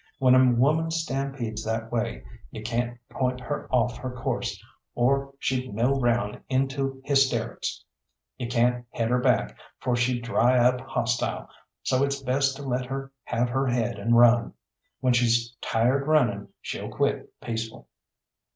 When a woman stampedes that way you can't point her off her course, or she'd mill round into hysterics; you can't head her back, for she'd dry up hostile; so it's best to let her have her head and run. When she's tired running she'll quit peaceful.